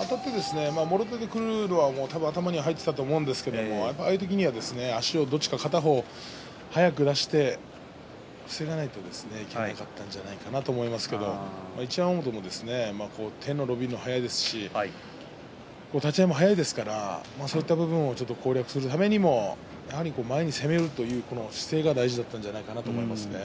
あたって、もろ手でくるのは頭に入っていたと思うんですけど、ああいう時には足をどっちか片方を早く出して防がないといけなかったんじゃないかなと思いますけど一山本も手が伸びるのが速いですし立ち合いも速いですからそういった部分を攻略するためにも前に攻めるという姿勢が大事だったんじゃないかなと思いますね。